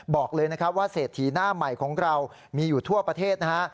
บอกเลยนะครับว่าเศรษฐีหน้าใหม่ของเรามีอยู่ทั่วประเทศนะฮะ